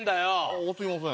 あすいません。